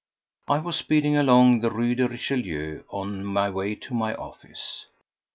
I was speeding along the Rue de Richelieu on my way to my office.